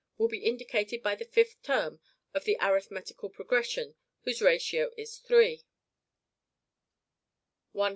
will be indicated by the fifth term of the arithmetical progression whose ratio is three: 100